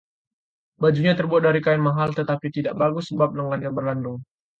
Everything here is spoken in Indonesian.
bajunya terbuat dari kain mahal, tetapi tidak bagus sebab lengannya belandung